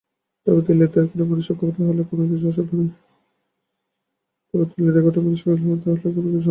তবে দিল্লির দেড় কোটি মানুষ ঐক্যবদ্ধ হলে, কোনো কিছুই অসাধ্য নয়।